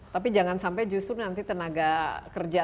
tapi jangan sampai justru nanti tenaga kerja